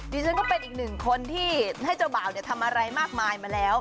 ฉันก็เป็นอีกหนึ่งคนที่ให้เจ้าบ่าวทำอะไรมากมายมาแล้ว